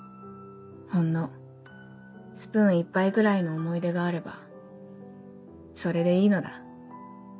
ほんのスプーン１杯ぐらいの思い出があればそれでいいのだ。